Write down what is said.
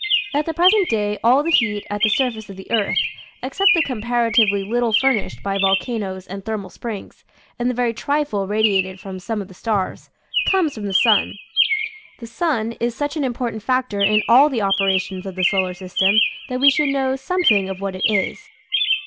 At the present day all the heat at the sur face of the earth (except the comparatively little furnished by volcanoes and thermal springs, and the very trifle radiated from some of the stars) comes from the 6un. The sun is such an important factor in all the operations of the solar system that we should know some thing of what it is.